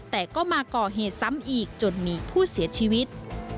แต่ก็มาก่อเหตุซ้ำอีกจนมีผู้เสียชีวิต